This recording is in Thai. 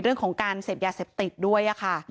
เรื่องของการเสพยาเสพติดด้วยค่ะ